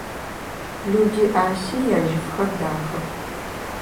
Люди Аси яжьыфхэр дахэх.